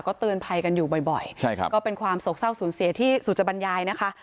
เตือนภัยกันอยู่บ่อยใช่ครับก็เป็นความโศกเศร้าสูญเสียที่สุจบรรยายนะคะ